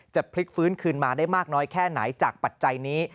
จะพลิกฟื้นคืนมาได้มากน้อยแค่ไหนจากปัจจัยนี้